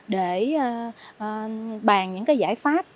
để bàn những giải pháp